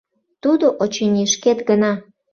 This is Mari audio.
Тудо, очыни, шкет гына.